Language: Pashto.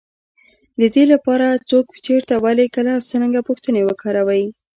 دې لپاره، څوک، چېرته، ولې، کله او څرنګه پوښتنې وکاروئ.